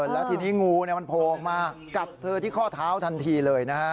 แล้วทีนี้งูมันโผล่ออกมากัดเธอที่ข้อเท้าทันทีเลยนะฮะ